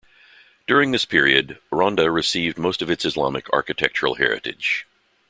During this period, Ronda received most of its Islamic architectural heritage.